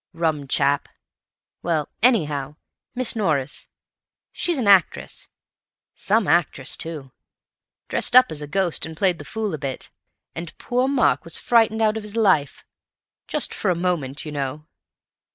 Rum chap. Well, anyhow, Miss Norris—she's an actress, some actress too—dressed up as the ghost and played the fool a bit. And poor Mark was frightened out of his life. Just for a moment, you know."